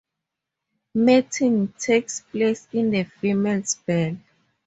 Mating takes place in the female's bell.